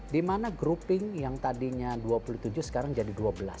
di mana grouping yang tadinya dua puluh tujuh sekarang jadi dua belas